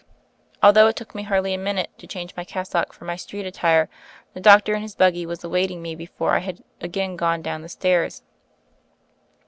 Although it took me hardly a minute to change my cassock for my street attire, the doc tor in his buggy was awaiting me before I had again gone down the stairs.